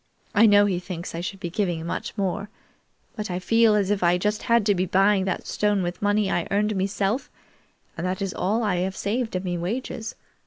I know he thinks I should be giving much more, but I feel as if I just had to be buying that stone with money I earned meself; and that is all I have saved of me wages.